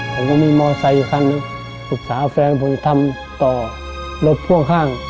ผมก็มีมอเซย์ขั้นฝึกษาแฟนผมทำต่อรถพ่วงข้าง